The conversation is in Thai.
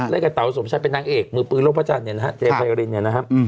กับเต๋าสมชัยเป็นนางเอกมือปืนโลกพระจันทร์เนี่ยนะฮะเจไพรินเนี่ยนะครับ